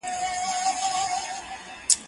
دا اوبه له هغه روښانه دي،